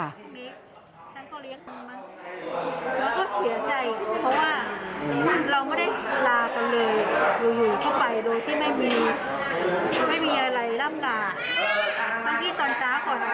ยังไม่มีอะไรล่ำหลาตอนที่ตอนช้าของบ้านก็เปิดประตูดูเขาในห้องเขา